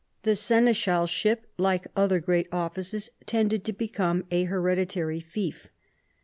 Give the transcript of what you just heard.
The seneschalship, like other great offices, tended to become a hereditary fief.